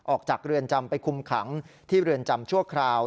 ออกจากเรือนจำไปคุมขังที่เรือนจำชั่วคราว